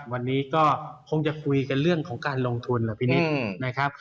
วันนี้ก็คงจะคุยกันเรื่องของการลงทุนเหรอพี่นิดนะครับ